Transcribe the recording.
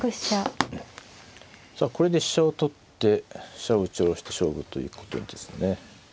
さあこれで飛車を取って飛車を打ち下ろして勝負ということですね。